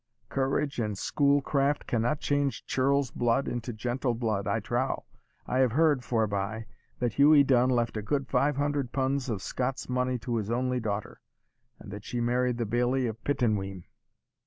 Courage and school craft cannot change churl's blood into gentle blood, I trow. I have heard, forby, that Hughie Dun left a good five hundred punds of Scots money to his only daughter, and that she married the Bailie of Pittenweem."